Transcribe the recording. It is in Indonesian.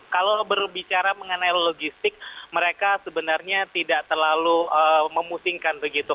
kalau berbicara mengenai logistik mereka sebenarnya tidak terlalu memusingkan begitu